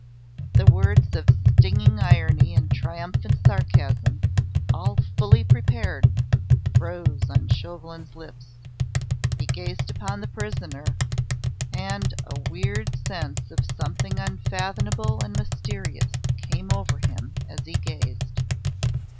The words of stinging irony and triumphant sarcasm, all fully prepared, froze on Chauvelin's lips. He gazed upon the prisoner, and a weird sense of something unfathomable and mysterious came over him as he gazed.